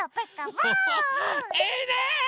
いいね！